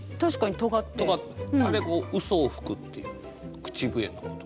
あれうそを吹くっていう口笛のこと。